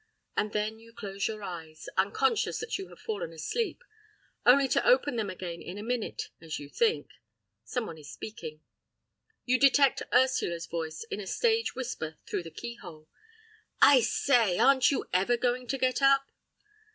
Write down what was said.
And then you close your eyes—unconscious that you have fallen asleep—only to open them again in a minute, as you think. Someone is speaking. You detect Ursula's voice in a stage whisper through the keyhole. "I say—aren't you ever going to get up?"